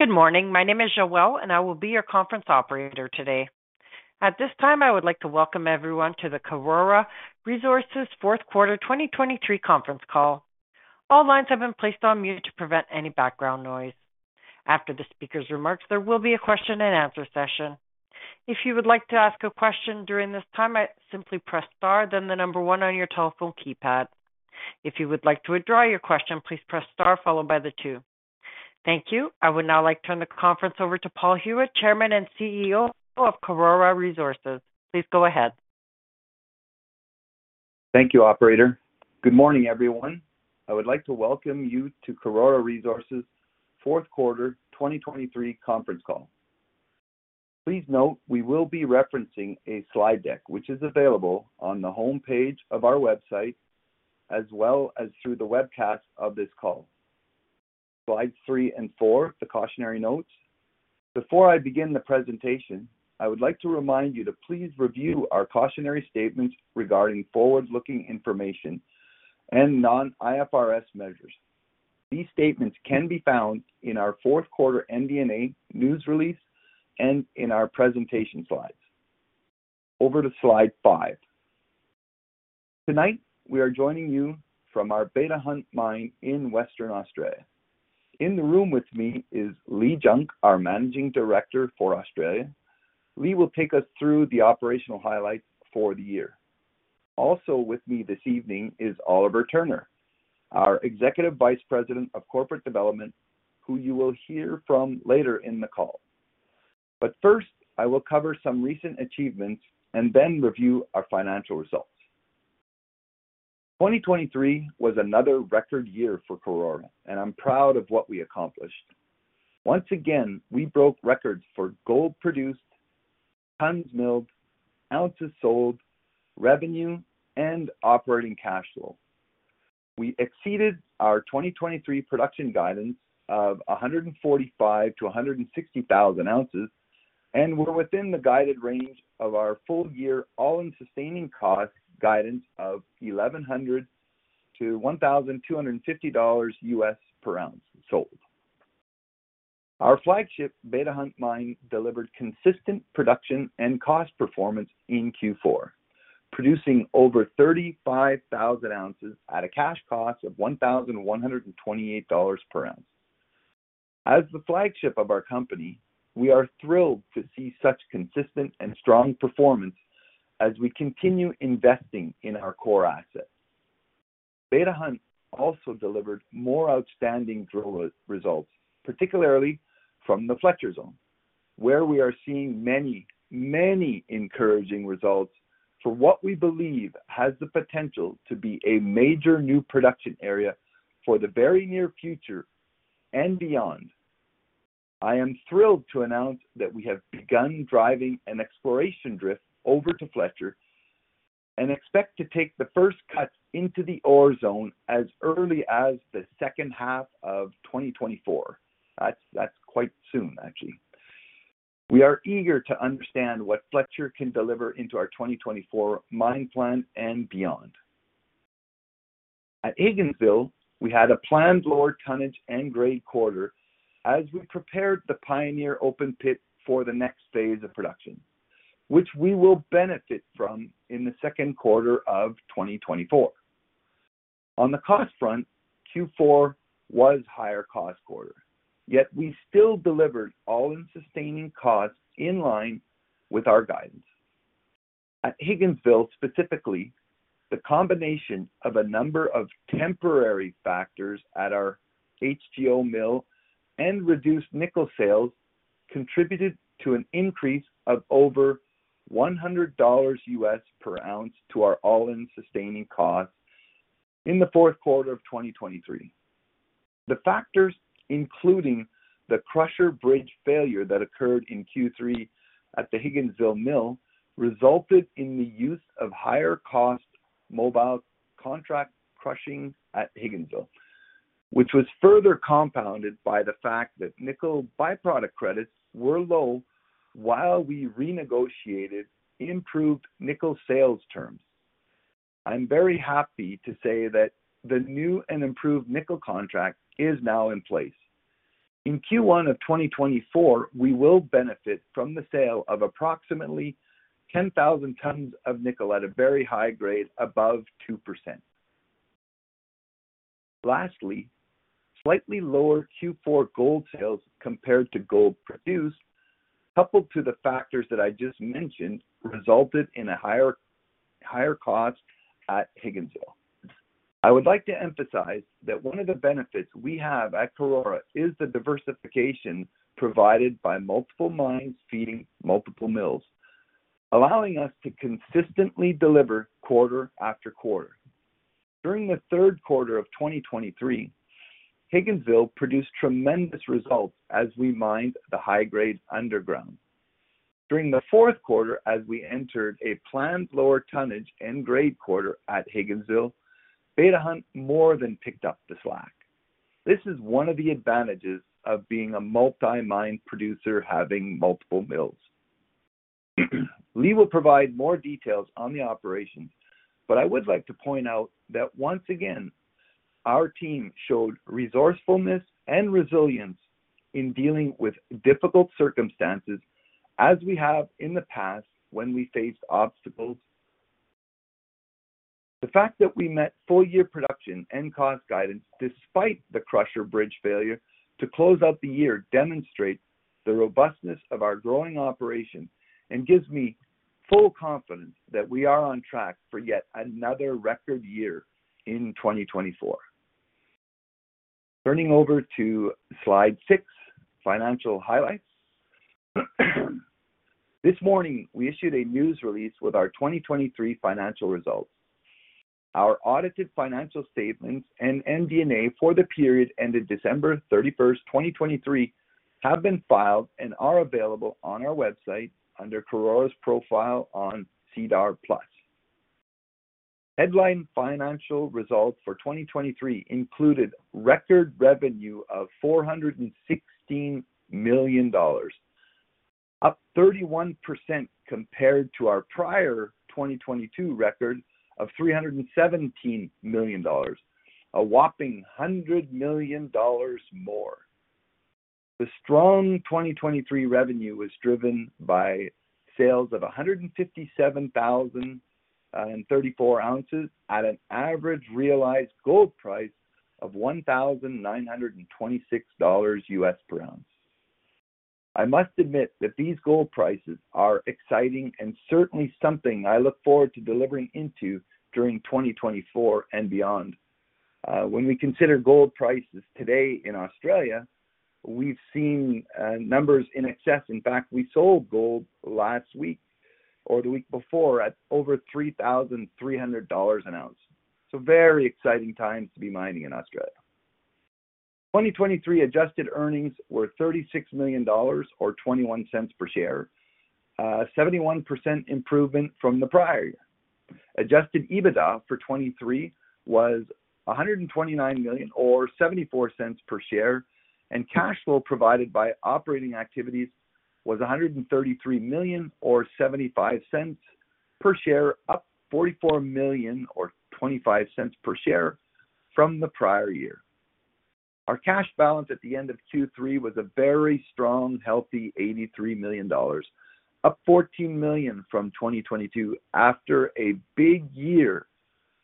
Good morning. My name is Joelle, and I will be your conference operator today. At this time, I would like to welcome everyone to the Karora Resources Fourth Quarter 2023 Conference Call. All lines have been placed on mute to prevent any background noise. After the speaker's remarks, there will be a question-and-answer session. If you would like to ask a question during this time, you simply press star, then the number one on your telephone keypad. If you would like to withdraw your question, please press star followed by the two. Thank you. I would now like to turn the conference over to Paul Huet, Chairman and CEO of Karora Resources. Please go ahead. Thank you, operator. Good morning, everyone. I would like to welcome you to Karora Resources fourth quarter 2023 conference call. Please note we will be referencing a slide deck, which is available on the homepage of our website as well as through the webcast of this call. Slides three and four, the cautionary notes. Before I begin the presentation, I would like to remind you to please review our cautionary statements regarding forward-looking information and non-IFRS measures. These statements can be found in our fourth quarter MD&A news release and in our presentation slides. Over to slide five. Tonight, we are joining you from our Beta Hunt mine in Western Australia. In the room with me is Leigh Junk, our Managing Director for Australia. Leigh will take us through the operational highlights for the year. Also with me this evening is Oliver Turner, our Executive Vice President of Corporate Development, who you will hear from later in the call. But first, I will cover some recent achievements and then review our financial results. 2023 was another record year for Karora, and I'm proud of what we accomplished. Once again, we broke records for gold produced, tons milled, ounces sold, revenue, and operating cash flow. We exceeded our 2023 production guidance of 145,000 ounces to 160,000 ounces, and were within the guided range of our full-year all-in-sustaining cost guidance of $1,100-$1,250 per ounce sold. Our flagship Beta Hunt mine delivered consistent production and cost performance in Q4, producing over 35,000 ounces at a cash cost of $1,128 per ounce. As the flagship of our company, we are thrilled to see such consistent and strong performance as we continue investing in our core assets. Beta Hunt also delivered more outstanding results, particularly from the Fletcher Zone, where we are seeing many, many encouraging results for what we believe has the potential to be a major new production area for the very near future and beyond. I am thrilled to announce that we have begun driving an exploration drift over to Fletcher and expect to take the first cuts into the ore zone as early as the second half of 2024. That's quite soon, actually. We are eager to understand what Fletcher can deliver into our 2024 mine plant and beyond. At Higginsville, we had a planned lower tonnage and grade quarter as we prepared the Pioneer Open Pit for the next phase of production, which we will benefit from in the second quarter of 2024. On the cost front, Q4 was higher cost quarter, yet we still delivered all-in-sustaining costs in line with our guidance. At Higginsville specifically, the combination of a number of temporary factors at our HGO mill and reduced nickel sales contributed to an increase of over $100 per ounce to our all-in-sustaining costs in the fourth quarter of 2023. The factors, including the crusher bridge failure that occurred in Q3 at the Higginsville mill, resulted in the use of higher-cost mobile contract crushing at Higginsville, which was further compounded by the fact that nickel byproduct credits were low while we renegotiated improved nickel sales terms. I'm very happy to say that the new and improved nickel contract is now in place. In Q1 of 2024, we will benefit from the sale of approximately 10,000 tons of nickel at a very high grade above 2%. Lastly, slightly lower Q4 gold sales compared to gold produced, coupled to the factors that I just mentioned, resulted in a higher cost at Higginsville. I would like to emphasize that one of the benefits we have at Karora is the diversification provided by multiple mines feeding multiple mills, allowing us to consistently deliver quarter after quarter. During the third quarter of 2023, Higginsville produced tremendous results as we mined the high-grade underground. During the fourth quarter, as we entered a planned lower tonnage and grade quarter at Higginsville, Beta Hunt more than picked up the slack. This is one of the advantages of being a multi-mine producer having multiple mills. Leigh will provide more details on the operations, but I would like to point out that once again, our team showed resourcefulness and resilience in dealing with difficult circumstances as we have in the past when we faced obstacles. The fact that we met full-year production and cost guidance despite the crusher bridge failure to close out the year demonstrates the robustness of our growing operation and gives me full confidence that we are on track for yet another record year in 2024. Turning over to slide six, financial highlights. This morning, we issued a news release with our 2023 financial results. Our audited financial statements and MD&A for the period ended December 31st, 2023, have been filed and are available on our website under Karora's profile on SEDAR+. Headline financial results for 2023 included record revenue of $416 million, up 31% compared to our prior 2022 record of $317 million, a whopping $100 million more. The strong 2023 revenue was driven by sales of 157,034 ounces at an average realized gold price of $1,926 per ounce. I must admit that these gold prices are exciting and certainly something I look forward to delivering into during 2024 and beyond. When we consider gold prices today in Australia, we've seen numbers in excess. In fact, we sold gold last week or the week before at over 3,300 dollars an ounce. So very exciting times to be mining in Australia. 2023 adjusted earnings were $36 million or $0.21 per share, 71% improvement from the prior year. Adjusted EBITDA for 2023 was $129 million or $0.74 per share, and cash flow provided by operating activities was $133 million or $0.75 per share, up $44 million or $0.25 per share from the prior year. Our cash balance at the end of Q3 was a very strong, healthy $83 million, up $14 million from 2022 after a big year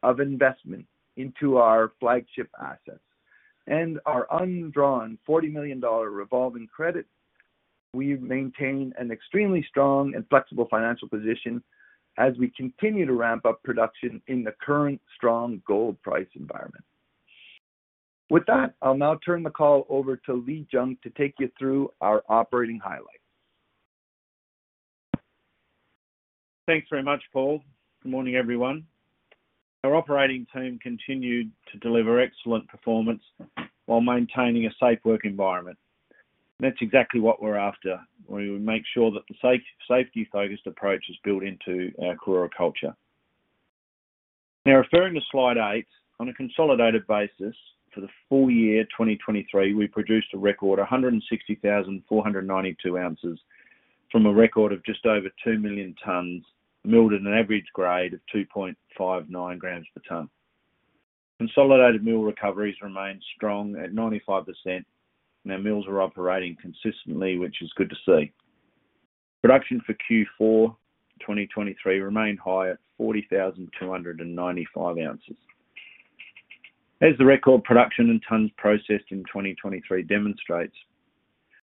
of investment into our flagship assets. And our undrawn $40 million revolving credit, we maintain an extremely strong and flexible financial position as we continue to ramp up production in the current strong gold price environment. With that, I'll now turn the call over to Leigh Junk to take you through our operating highlights. Thanks very much, Paul. Good morning, everyone. Our operating team continued to deliver excellent performance while maintaining a safe work environment. That's exactly what we're after, where we make sure that the safety-focused approach is built into our Karora culture. Now, referring to slide eight, on a consolidated basis for the full year 2023, we produced a record 160,492 ounces from a record of just over 2 million tons milled at an average grade of 2.59 grams per ton. Consolidated mill recoveries remain strong at 95%, and our mills are operating consistently, which is good to see. Production for Q4 2023 remained high at 40,295 ounces. As the record production in tons processed in 2023 demonstrates,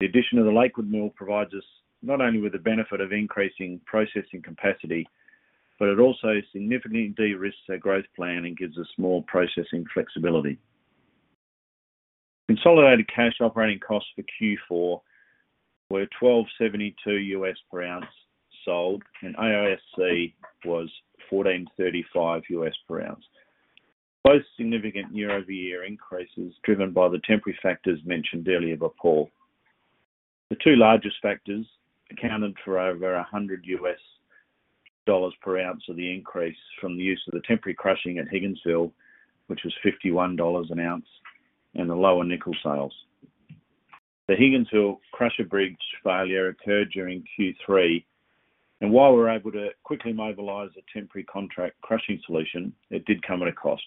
the addition of the Lakewood Mill provides us not only with the benefit of increasing processing capacity, but it also significantly de-risks our growth plan and gives us more processing flexibility. Consolidated cash operating costs for Q4 were $1,272 per ounce sold, and AISC was $1,435 per ounce, both significant year-over-year increases driven by the temporary factors mentioned earlier by Paul. The two largest factors accounted for over $100 per ounce of the increase from the use of the temporary crushing at Higginsville, which was $51 an ounce, and the lower nickel sales. The Higginsville crusher bridge failure occurred during Q3, and while we were able to quickly mobilize a temporary contract crushing solution, it did come at a cost.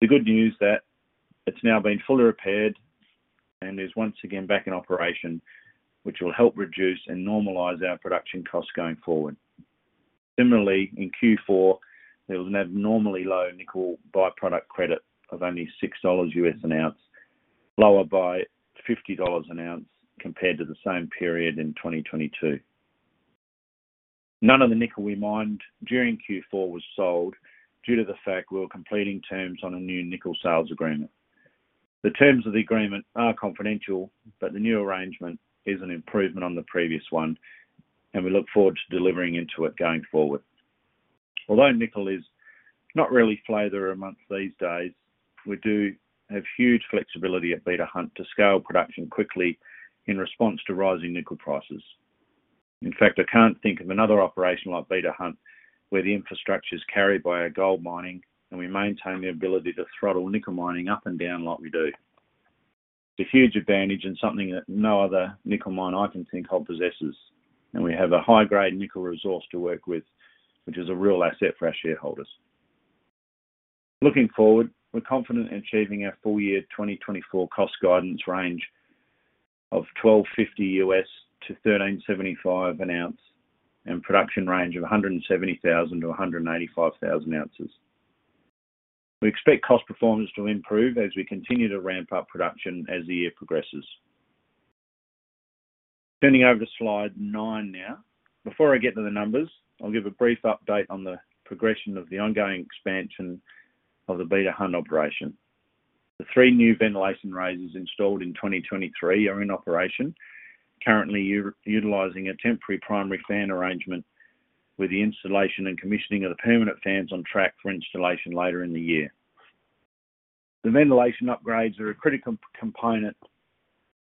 The good news is that it's now been fully repaired and is once again back in operation, which will help reduce and normalize our production costs going forward. Similarly, in Q4, there was an abnormally low nickel byproduct credit of only $6 an ounce, lower by $50 an ounce compared to the same period in 2022. None of the nickel we mined during Q4 was sold due to the fact we were completing terms on a new nickel sales agreement. The terms of the agreement are confidential, but the new arrangement is an improvement on the previous one, and we look forward to delivering into it going forward. Although nickel is not really in favor these days, we do have huge flexibility at Beta Hunt to scale production quickly in response to rising nickel prices. In fact, I can't think of another operation like Beta Hunt where the infrastructure is carried by our gold mining, and we maintain the ability to throttle nickel mining up and down like we do. It's a huge advantage and something that no other nickel mine I can think of possesses, and we have a high-grade nickel resource to work with, which is a real asset for our shareholders. Looking forward, we're confident in achieving our full-year 2024 cost guidance range of $1,250-$1,375 an ounce and production range of 170,000-185,000 ounces. We expect cost performance to improve as we continue to ramp up production as the year progresses. Turning over to slide nine now. Before I get to the numbers, I'll give a brief update on the progression of the ongoing expansion of the Beta Hunt operation. The three new ventilation raises installed in 2023 are in operation, currently utilizing a temporary primary fan arrangement with the installation and commissioning of the permanent fans on track for installation later in the year. The ventilation upgrades are a critical component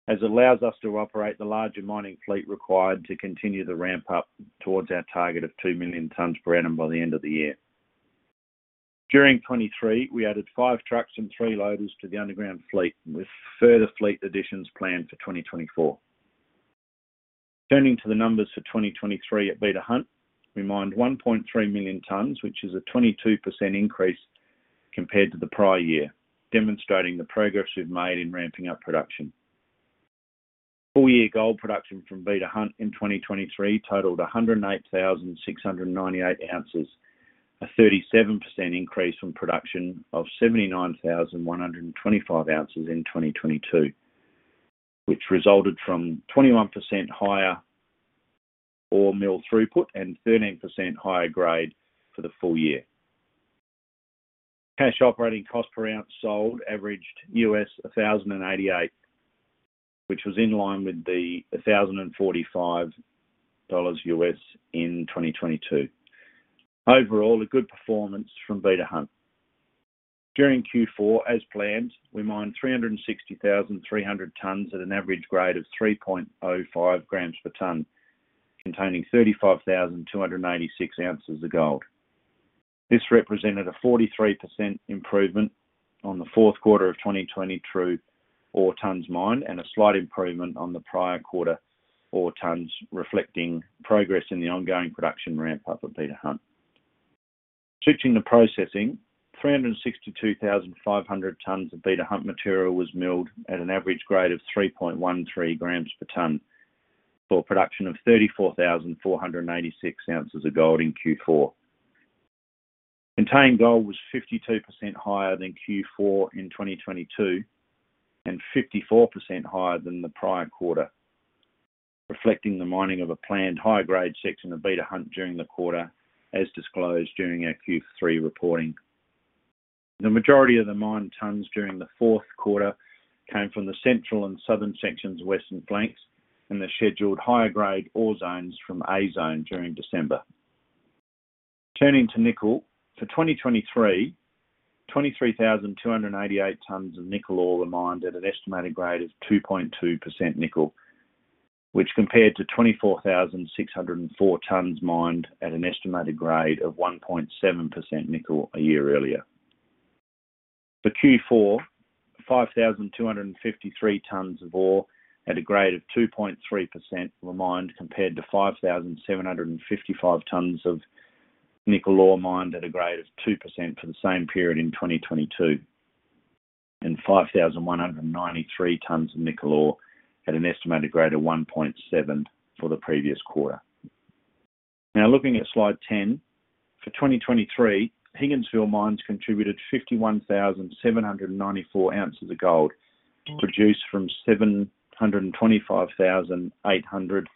as it allows us to operate the larger mining fleet required to continue the ramp up towards our target of 2 million tonnes per annum by the end of the year. During 2023, we added five trucks and three loaders to the underground fleet with further fleet additions planned for 2024. Turning to the numbers for 2023 at Beta Hunt, we mined 1.3 million tonnes, which is a 22% increase compared to the prior year, demonstrating the progress we've made in ramping up production. Full-year gold production from Beta Hunt in 2023 totaled 108,698 ounces, a 37% increase from production of 79,125 ounces in 2022, which resulted from 21% higher ore mill throughput and 13% higher grade for the full year. Cash operating cost per ounce sold averaged $1,088, which was in line with the $1,045 in 2022. Overall, a good performance from Beta Hunt. During Q4, as planned, we mined 360,300 tonnes at an average grade of 3.05 grams per tonne, containing 35,286 ounces of gold. This represented a 43% improvement on the fourth quarter of 2020 true ore tonnes mined and a slight improvement on the prior quarter ore tonnes, reflecting progress in the ongoing production ramp up at Beta Hunt. Switching to processing, 362,500 tonnes of Beta Hunt material was milled at an average grade of 3.13 grams per tonne for a production of 34,486 ounces of gold in Q4. Contained gold was 52% higher than Q4 in 2022 and 54% higher than the prior quarter, reflecting the mining of a planned high-grade section of Beta Hunt during the quarter as disclosed during our Q3 reporting. The majority of the mined tonnes during the fourth quarter came from the central and southern sections' Western Flanks and the scheduled higher-grade ore zones from A zone during December. Turning to nickel, for 2023, 23,288 tonnes of nickel ore were mined at an estimated grade of 2.2% nickel, which compared to 24,604 tonnes mined at an estimated grade of 1.7% nickel a year earlier. For Q4, 5,253 tonnes of ore at a grade of 2.3% were mined compared to 5,755 tonnes of nickel ore mined at a grade of 2% for the same period in 2022 and 5,193 tonnes of nickel ore at an estimated grade of 1.7% for the previous quarter. Now, looking at slide 10, for 2023, Higginsville mines contributed 51,794 ounces of gold produced from 725,800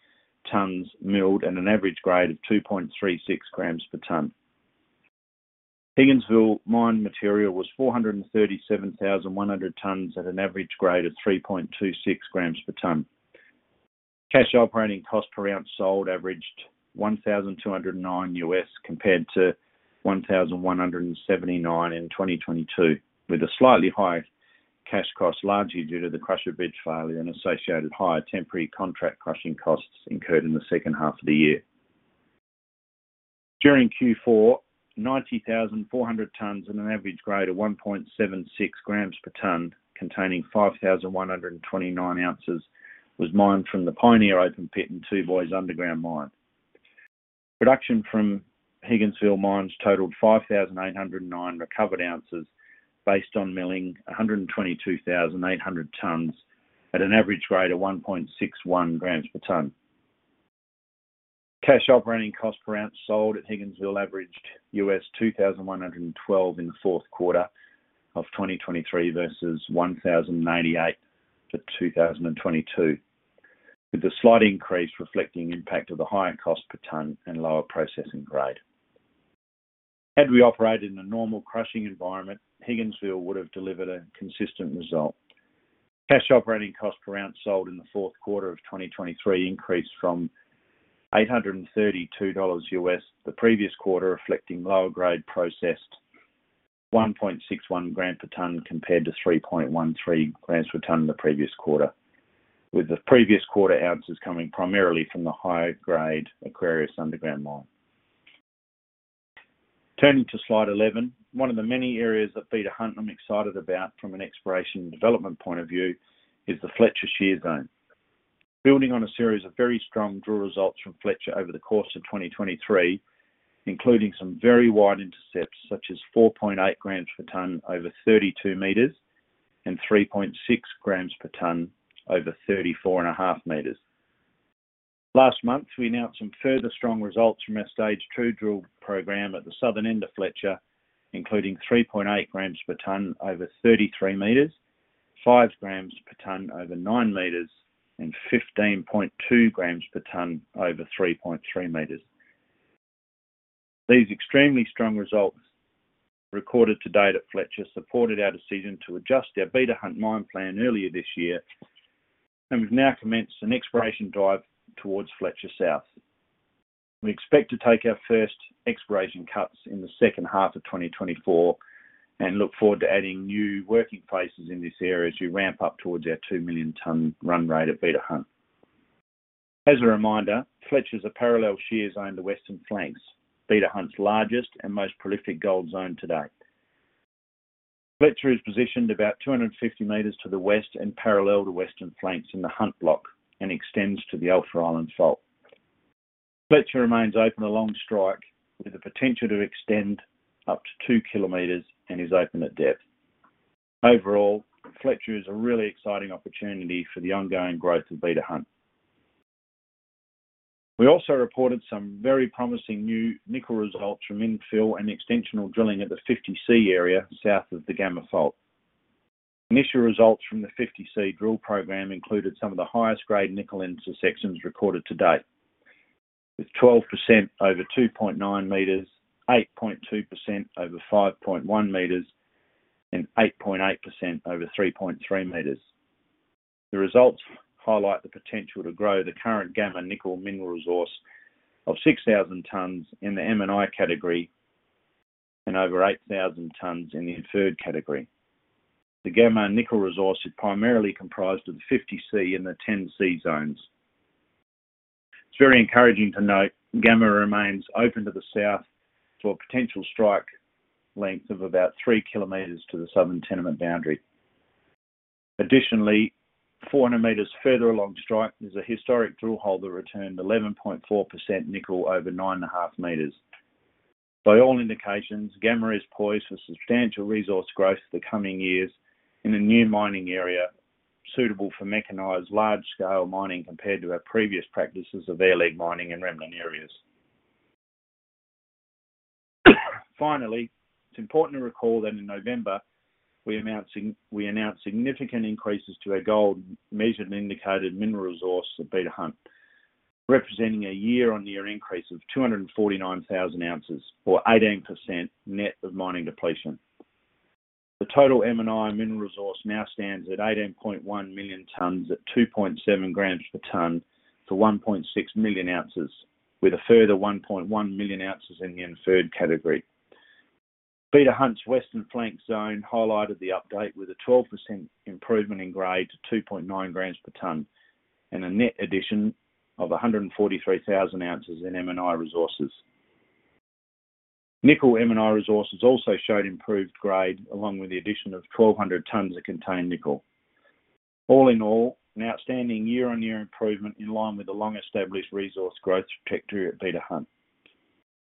tonnes milled at an average grade of 2.36 grams per tonne. Higginsville mined material was 437,100 tonnes at an average grade of 3.26 grams per tonne. Cash operating cost per ounce sold averaged $1,209 compared to $1,179 in 2022, with a slightly higher cash cost largely due to the crusher bridge failure and associated higher temporary contract crushing costs incurred in the second half of the year. During Q4, 90,400 tonnes at an average grade of 1.76 grams per tonne, containing 5,129 ounces, was mined from the Pioneer Open Pit and Two Boys Underground Mine. Production from Higginsville mines totaled 5,809 recovered ounces based on milling 122,800 tonnes at an average grade of 1.61 grams per tonne. Cash operating cost per ounce sold at Higginsville averaged $2,112 in the fourth quarter of 2023 versus $1,088 for 2022, with a slight increase reflecting the impact of the higher cost per tonne and lower processing grade. Had we operated in a normal crushing environment, Higginsville would have delivered a consistent result. Cash Operating Cost per ounce sold in the fourth quarter of 2023 increased from $832 the previous quarter, reflecting lower-grade processed 1.61 grams per tonne compared to 3.13 grams per tonne the previous quarter, with the previous quarter ounces coming primarily from the higher-grade Aquarius Underground Mine. Turning to slide 11, one of the many areas that Beta Hunt I'm excited about from an exploration and development point of view is the Fletcher Shear Zone. Building on a series of very strong drill results from Fletcher over the course of 2023, including some very wide intercepts such as 4.8 grams per tonne over 32 meters and 3.6 grams per tonne over 34.5 meters, last month we announced some further strong results from our Stage Two drill program at the southern end of Fletcher, including 3.8 grams per tonne over 33 meters, five grams per tonne over nine meters, and 15.2 grams per tonne over 3.3 meters. These extremely strong results recorded to date at Fletcher supported our decision to adjust our Beta Hunt mine plan earlier this year, and we've now commenced an exploration drive towards Fletcher South. We expect to take our first exploration cuts in the second half of 2024 and look forward to adding new working faces in this area as we ramp up towards our 2 million tonne run rate at Beta Hunt. As a reminder, Fletcher's a parallel shear zone to Western Flanks, Beta Hunt's largest and most prolific gold zone today. Fletcher is positioned about 250 meters to the west and parallel to Western Flanks in the Hunt Block and extends to the Alpha Island Fault. Fletcher remains open along strike, with the potential to extend up to two kilometers and is open at depth. Overall, Fletcher is a really exciting opportunity for the ongoing growth of Beta Hunt. We also reported some very promising new nickel results from infill and extensional drilling at the 50C area south of the Gamma Fault. Initial results from the 50C drill program included some of the highest-grade nickel intersections recorded to date, with 12% over 2.9 meters, 8.2% over 5.1 meters, and 8.8% over 3.3 meters. The results highlight the potential to grow the current Gamma nickel mineral resource of 6,000 tonnes in the M&I category and over 8,000 tonnes in the inferred category. The Gamma nickel resource is primarily comprised of the 50C and the 10C zones. It's very encouraging to note Gamma remains open to the south for a potential strike length of about three kilometers to the southern tenement boundary. Additionally, 400 meters further along strike is a historic drill hole that returned 11.4% nickel over 9.5 meters. By all indications, Gamma is poised for substantial resource growth in the coming years in a new mining area suitable for mechanized large-scale mining compared to our previous practices of air-leg mining in remnant areas. Finally, it's important to recall that in November, we announced significant increases to our gold measured and indicated mineral resource at Beta Hunt, representing a year-on-year increase of 249,000 ounces, or 18% net of mining depletion. The total M&I mineral resource now stands at 18.1 million tonnes at 2.7 grams per tonne for 1.6 million ounces, with a further 1.1 million ounces in the inferred category. Beta Hunt's Western Flanks zone highlighted the update with a 12% improvement in grade to 2.9 grams per tonne and a net addition of 143,000 ounces in M&I resources. Nickel M&I resources also showed improved grade along with the addition of 1,200 tonnes of contained nickel. All in all, an outstanding year-on-year improvement in line with the long-established resource growth trajectory at Beta Hunt.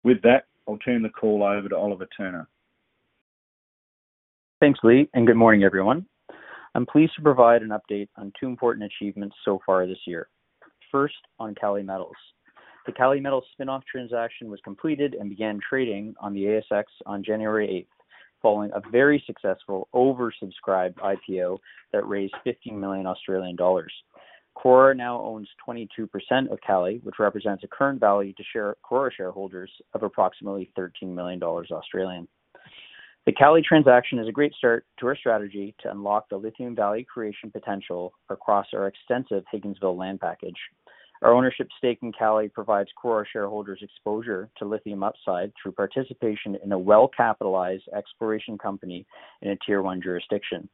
With that, I'll turn the call over to Oliver Turner. Thanks, Leigh, and good morning, everyone. I'm pleased to provide an update on two important achievements so far this year. First, on Kali Metals. The Kali Metals spin-off transaction was completed and began trading on the ASX on January 8th, following a very successful oversubscribed IPO that raised 15 million Australian dollars. Karora now owns 22% of Kali, which represents a current value to Karora shareholders of approximately 13 million Australian dollars. The Kali transaction is a great start to our strategy to unlock the lithium value creation potential across our extensive Higginsville land package. Our ownership stake in Kali provides Karora shareholders exposure to lithium upside through participation in a well-capitalized exploration company in a tier one jurisdiction.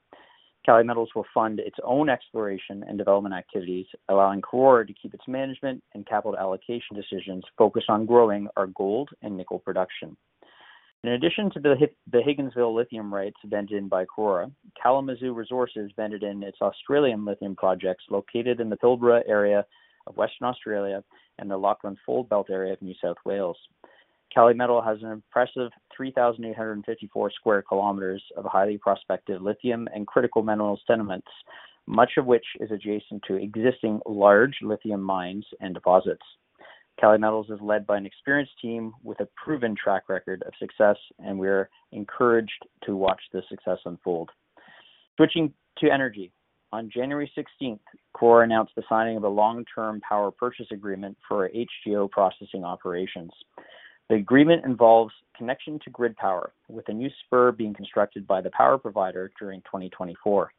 Kali Metals will fund its own exploration and development activities, allowing Karora to keep its management and capital allocation decisions focused on growing our gold and nickel production. In addition to the Higginsville lithium rights vented in by Karora, Kalamazoo Resources vended in its Australian lithium projects located in the Pilbara area of Western Australia and the Lachlan Fold Belt area of New South Wales. Kali Metals has an impressive 3,854 sq km of highly prospective lithium and critical minerals tenements, much of which is adjacent to existing large lithium mines and deposits. Kali Metals is led by an experienced team with a proven track record of success, and we are encouraged to watch this success unfold. Switching to energy. On January 16th, Karora announced the signing of a long-term power purchase agreement for HGO processing operations. The agreement involves connection to grid power, with a new spur being constructed by the power provider during 2024.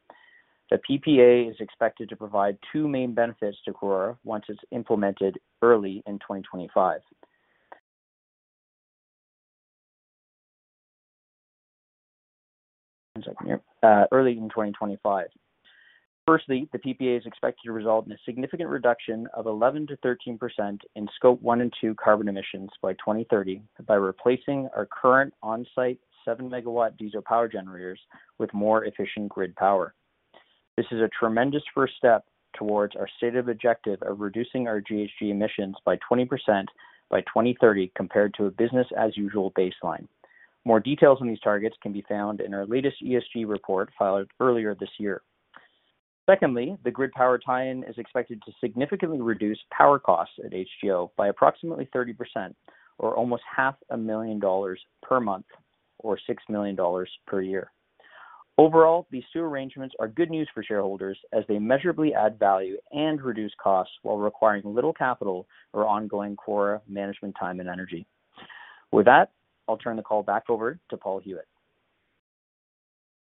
The PPA is expected to provide two main benefits to Karora once it's implemented early in 2025. Firstly, the PPA is expected to result in a significant reduction of 11%-13% in Scope 1 and 2 carbon emissions by 2030 by replacing our current on-site 7-megawatt diesel power generators with more efficient grid power. This is a tremendous first step towards our stated objective of reducing our GHG emissions by 20% by 2030 compared to a business-as-usual baseline. More details on these targets can be found in our latest ESG report filed earlier this year. Secondly, the grid power tie-in is expected to significantly reduce power costs at HGO by approximately 30%, or almost $500,000 per month, or $6 million per year. Overall, these two arrangements are good news for shareholders as they measurably add value and reduce costs while requiring little capital or ongoing Karora management time and energy. With that, I'll turn the call back over to Paul Huet.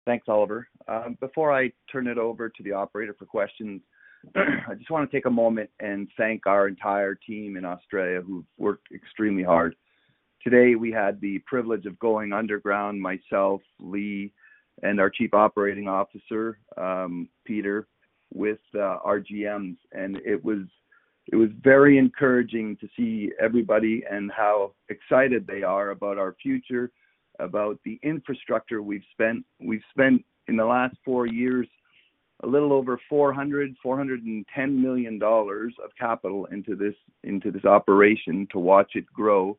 Thanks, Oliver. Before I turn it over to the operator for questions, I just want to take a moment and thank our entire team in Australia who've worked extremely hard. Today, we had the privilege of going underground, myself, Leigh, and our Chief Operating Officer, Peter, with our GMs. It was very encouraging to see everybody and how excited they are about our future, about the infrastructure we've spent. We've spent in the last four years a little over $410 million of capital into this operation to watch it grow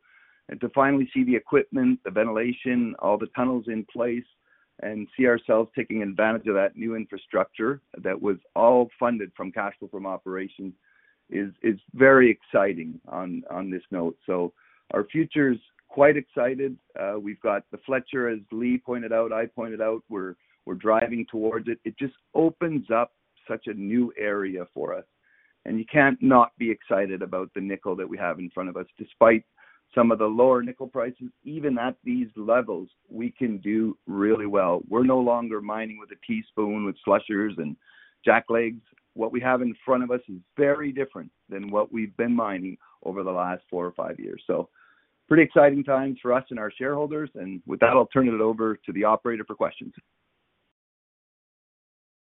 and to finally see the equipment, the ventilation, all the tunnels in place, and see ourselves taking advantage of that new infrastructure that was all funded from cash flow from operations is very exciting on this note. So our future's quite excited. We've got the Fletcher, as Leigh pointed out, I pointed out, we're driving towards it. It just opens up such a new area for us. And you can't not be excited about the nickel that we have in front of us. Despite some of the lower nickel prices, even at these levels, we can do really well. We're no longer mining with a teaspoon, with slushers and jack legs. What we have in front of us is very different than what we've been mining over the last four or five years. So pretty exciting times for us and our shareholders. And with that, I'll turn it over to the operator for questions.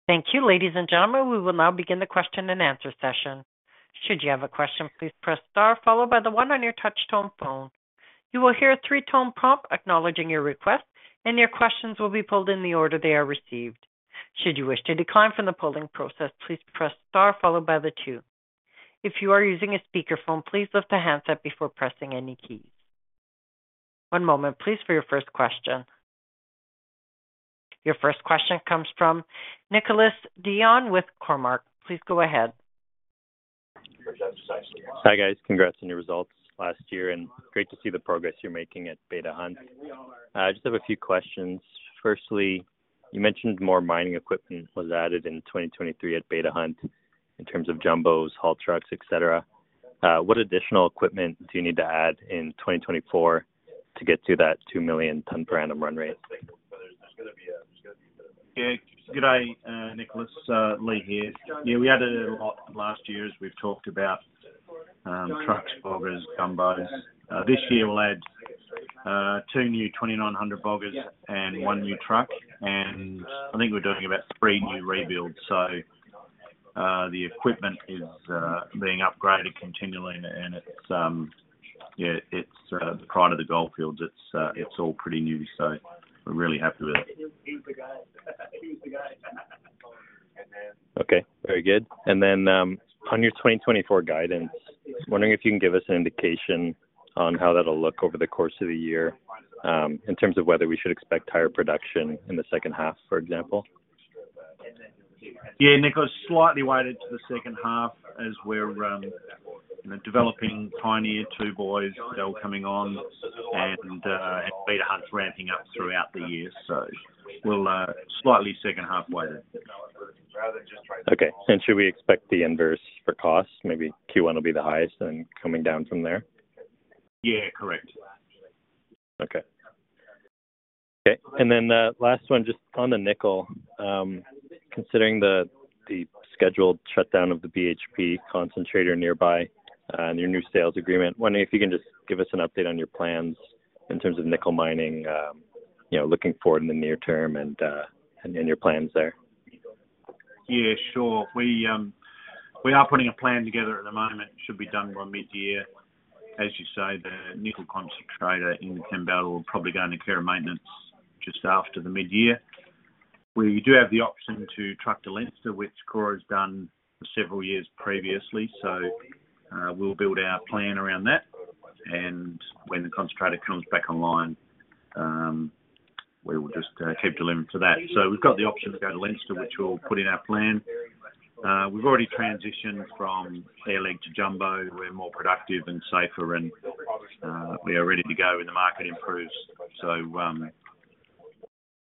Thank you, ladies and gentlemen. We will now begin the question and answer session. Should you have a question, please press star, followed by the one on your touch tone phone. You will hear a three-tone prompt acknowledging your request, and your questions will be pulled in the order they are received. Should you wish to decline from the polling process, please press star, followed by the two. If you are using a speakerphone, please lift the handset before pressing any keys. One moment, please, for your first question. Your first question comes from Nicolas Dion with Cormark. Please go ahead. Hi, guys. Congrats on your results last year, and great to see the progress you're making at Beta Hunt. I just have a few questions. Firstly, you mentioned more mining equipment was added in 2023 at Beta Hunt in terms of jumbos, haul trucks, etc. What additional equipment do you need to add in 2024 to get to that 2 million tonne per annum run rate? Good day, Nicolas, Leigh here. Yeah, we added a lot last year as we've talked about trucks, boggers, jumbos. This year, we'll add two new 2,900 boggers and one new truck. And I think we're doing about three new rebuilds. So the equipment is being upgraded continually, and it's yeah, it's pride of the goldfields. It's all pretty new, so we're really happy with it. Okay. Very good. And then on your 2024 guidance, wondering if you can give us an indication on how that'll look over the course of the year in terms of whether we should expect higher production in the second half, for example. Yeah, Nicolas, slightly weighted to the second half as we're developing Pioneer Two Boys that will come on and Beta Hunt's ramping up throughout the year. So we'll slightly second-half weighted. Okay. And should we expect the inverse for costs? Maybe Q1 will be the highest and then coming down from there? Yeah, correct. Okay. Okay. And then last one, just on the nickel, considering the scheduled shutdown of the BHP concentrator nearby and your new sales agreement, wondering if you can just give us an update on your plans in terms of nickel mining looking forward in the near term and your plans there. Yeah, sure. We are putting a plan together at the moment. It should be done by mid-year. As you say, the nickel concentrator in the Kambalda will probably go under care and maintenance just after the mid-year. We do have the option to truck to Leinster, which Karora has done for several years previously. So we'll build our plan around that. And when the concentrator comes back online, we will just keep delivering to that. So we've got the option to go to Leinster, which we'll put in our plan. We've already transitioned from air-leg to jumbo. We're more productive and safer, and we are ready to go when the market improves. So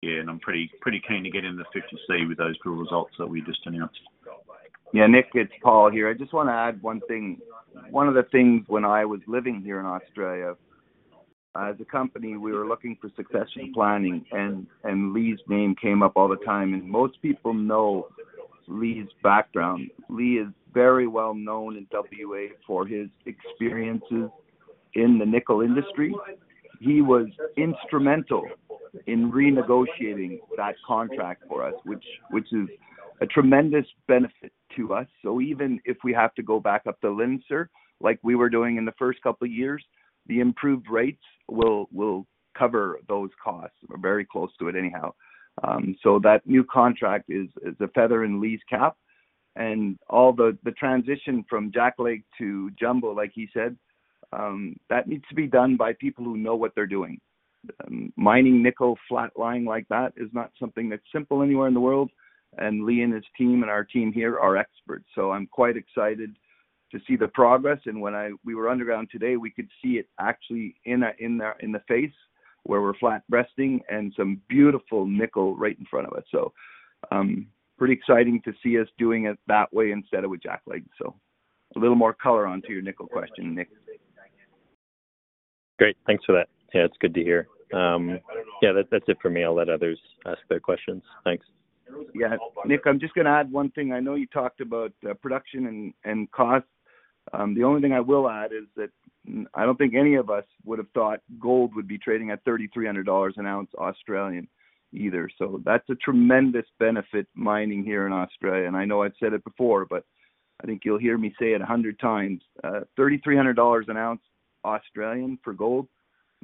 yeah, and I'm pretty keen to get in the 50C with those drill results that we just announced. Yeah, Nick. It's Paul here. I just want to add one thing. One of the things when I was living here in Australia, as a company, we were looking for succession planning, and Leigh's name came up all the time. And most people know Leigh's background. Leigh is very well known in WA for his experiences in the nickel industry. He was instrumental in renegotiating that contract for us, which is a tremendous benefit to us. So even if we have to go back up to Leinster like we were doing in the first couple of years, the improved rates will cover those costs. We're very close to it anyhow. So that new contract is a feather in Leigh's cap. And all the transition from jack leg to jumbo, like he said, that needs to be done by people who know what they're doing. Mining nickel flat lying like that is not something that's simple anywhere in the world. Leigh and his team and our team here are experts. I'm quite excited to see the progress. When we were underground today, we could see it actually in the face where we're flat resting and some beautiful nickel right in front of us. Pretty exciting to see us doing it that way instead of with jack leg. A little more color onto your nickel question, Nick. Great. Thanks for that. Yeah, it's good to hear. Yeah, that's it for me. I'll let others ask their questions. Thanks. Yeah, Nick, I'm just going to add one thing. I know you talked about production and cost. The only thing I will add is that I don't think any of us would have thought gold would be trading at 3,300 dollars an ounce Australian either. That's a tremendous benefit mining here in Australia. And I know I've said it before, but I think you'll hear me say it 100x. 3,300 dollars an ounce Australian for gold,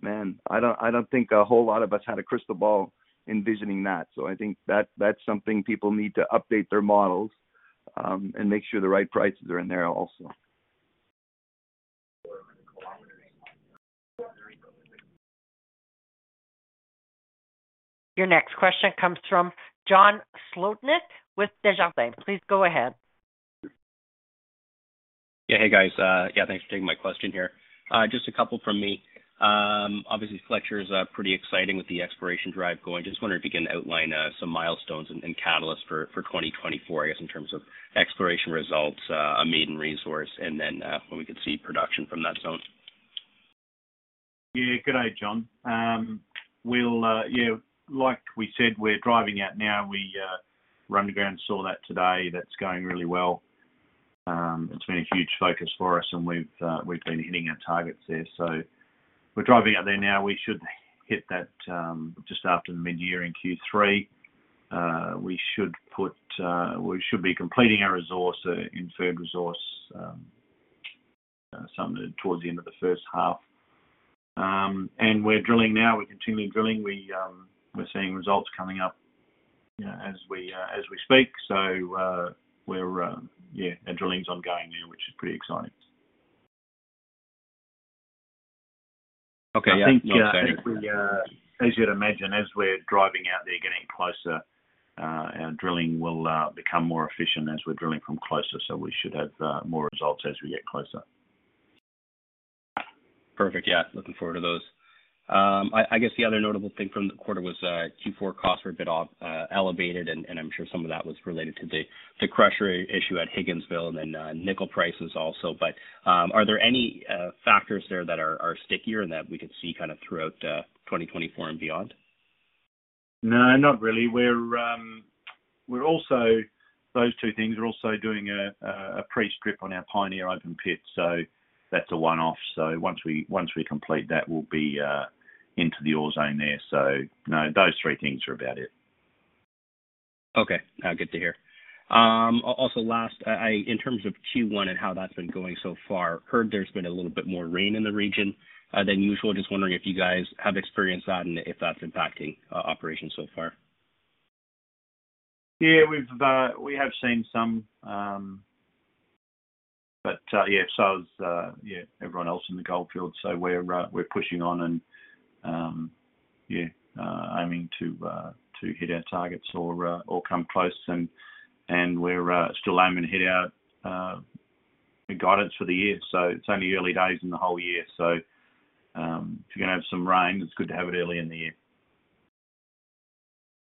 man, I don't think a whole lot of us had a crystal ball envisioning that. So I think that's something people need to update their models and make sure the right prices are in there also. Your next question comes from John Sclodnick with Desjardins. Please go ahead. Yeah, hey, guys. Yeah, thanks for taking my question here. Just a couple from me. Obviously, Fletcher is pretty exciting with the exploration drive going. Just wondering if you can outline some milestones and catalysts for 2024, I guess, in terms of exploration results, a maiden resource, and then when we could see production from that zone. Yeah, good day, John. Yeah, like we said, we're driving out now. We were underground and saw that today. That's going really well. It's been a huge focus for us, and we've been hitting our targets there. So we're driving out there now. We should hit that just after the mid-year in Q3. We should be completing our inferred resource, something towards the end of the first half. And we're drilling now. We're continually drilling. We're seeing results coming up as we speak. So yeah, our drilling's ongoing now, which is pretty exciting. Okay. Yeah, no exciting. I think as you'd imagine, as we're driving out there, getting closer, our drilling will become more efficient as we're drilling from closer. So we should have more results as we get closer. Perfect. Yeah, looking forward to those. I guess the other notable thing from the quarter was Q4 costs were a bit elevated, and I'm sure some of that was related to the crusher issue at Higginsville and then nickel prices also. But are there any factors there that are stickier and that we could see kind of throughout 2024 and beyond? No, not really. Those two things are also doing a pre-strip on our Pioneer open pit. So that's a one-off. So once we complete that, we'll be into the ore zone there. So no, those three things are about it. Okay. Good to hear. Also, last, in terms of Q1 and how that's been going so far, heard there's been a little bit more rain in the region than usual. Just wondering if you guys have experienced that and if that's impacting operations so far. Yeah, we have seen some. But yeah, so as everyone else in the goldfield, so we're pushing on and yeah, aiming to hit our targets or come close. And we're still aiming to hit our guidance for the year. So it's only early days in the whole year. So if you're going to have some rain, it's good to have it early in the year.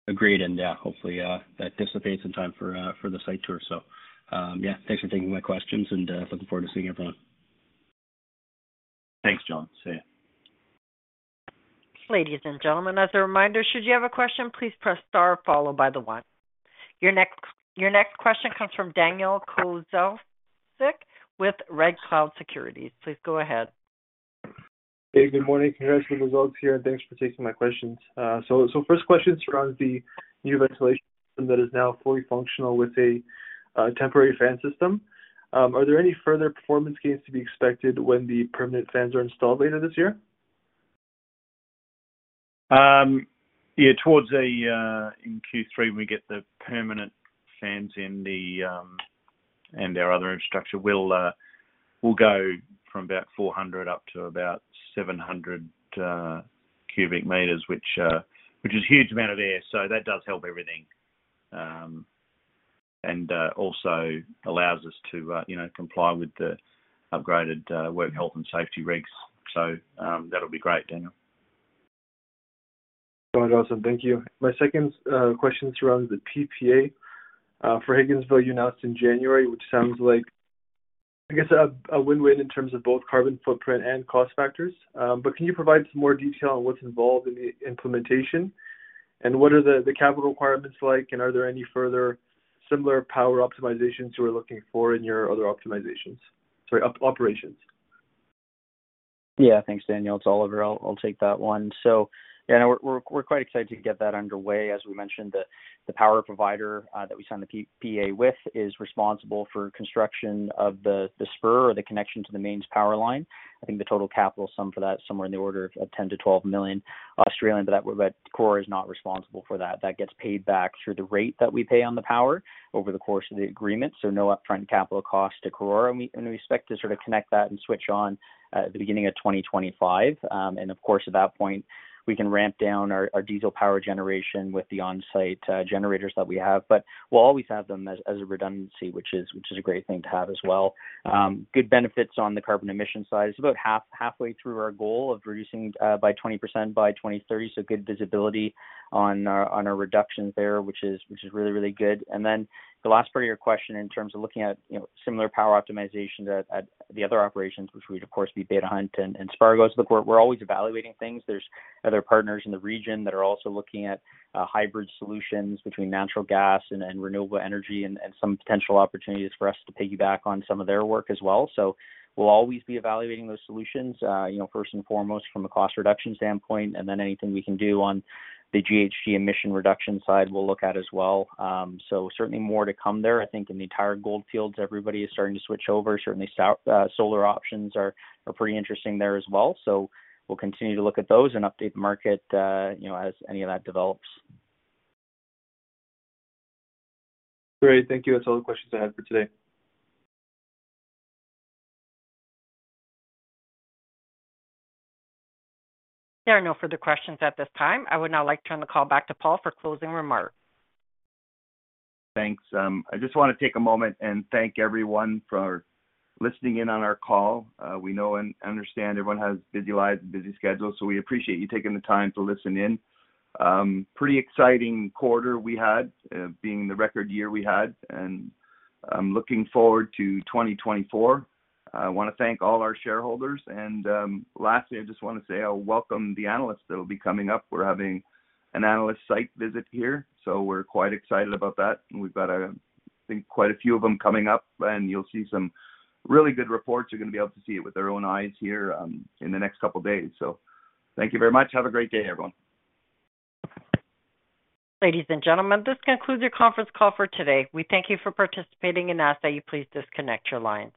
Agreed. And yeah, hopefully, that dissipates in time for the site tour. So yeah, thanks for taking my questions, and looking forward to seeing everyone. Thanks, John. See you. Ladies and gentlemen, as a reminder, should you have a question, please press star, followed by the one. Your next question comes from Daniel Kozielewicz with Red Cloud Securities. Please go ahead. Hey, good morning. Congrats on the results here, and thanks for taking my questions. So first question surrounds the new ventilation system that is now fully functional with a temporary fan system. Are there any further performance gains to be expected when the permanent fans are installed later this year? Yeah, towards in Q3, when we get the permanent fans in and our other infrastructure, we'll go from about 400 up to about 700 cubic meters, which is a huge amount of air. So that does help everything and also allows us to comply with the upgraded work health and safety regs. So that'll be great, Daniel. Sounds awesome. Thank you. My second question surrounds the PPA. For Higginsville, you announced in January, which sounds like, I guess, a win-win in terms of both carbon footprint and cost factors. But can you provide some more detail on what's involved in the implementation? And what are the capital requirements like, and are there any further similar power optimizations you are looking for in your other optimizations sorry, operations? Yeah, thanks, Daniel. It's Oliver. I'll take that one. So yeah, we're quite excited to get that underway. As we mentioned, the power provider that we signed the PPA with is responsible for construction of the spur or the connection to the mains power line. I think the total capital sum for that is somewhere in the order of 10 million-12 million. But Karora is not responsible for that. That gets paid back through the rate that we pay on the power over the course of the agreement. So no upfront capital cost to Karora. And we expect to sort of connect that and switch on at the beginning of 2025. Of course, at that point, we can ramp down our diesel power generation with the on-site generators that we have. But we'll always have them as a redundancy, which is a great thing to have as well. Good benefits on the carbon emission side. It's about halfway through our goal of reducing by 20% by 2030. So good visibility on our reductions there, which is really, really good. And then the last part of your question in terms of looking at similar power optimizations at the other operations, which would, of course, be Beta Hunt and Spargos Reward, we're always evaluating things. There's other partners in the region that are also looking at hybrid solutions between natural gas and renewable energy and some potential opportunities for us to piggyback on some of their work as well. So we'll always be evaluating those solutions, first and foremost, from a cost reduction standpoint. And then anything we can do on the GHG emission reduction side, we'll look at as well. So certainly more to come there. I think in the entire goldfields, everybody is starting to switch over. Certainly, solar options are pretty interesting there as well. So we'll continue to look at those and update the market as any of that develops. Great. Thank you. That's all the questions I had for today. There are no further questions at this time. I would now like to turn the call back to Paul for closing remarks. Thanks. I just want to take a moment and thank everyone for listening in on our call. We know and understand everyone has busy lives and busy schedules. So we appreciate you taking the time to listen in. Pretty exciting quarter we had, being the record year we had. I'm looking forward to 2024. I want to thank all our shareholders. Lastly, I just want to say I'll welcome the analysts that will be coming up. We're having an analyst site visit here. So we're quite excited about that. We've got, I think, quite a few of them coming up. You'll see some really good reports. You're going to be able to see it with your own eyes here in the next couple of days. So thank you very much. Have a great day, everyone. Ladies and gentlemen, this concludes your conference call for today. We thank you for participating in us. Are you pleased to disconnect your lines?